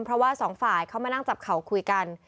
เพราะว่าสองฝ่ายเข้ามานั่งจับเข่าคุยกัน